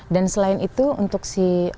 dan selain itu untuk si